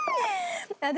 私